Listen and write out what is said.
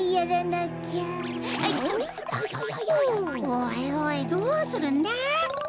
おいおいどうするんだ？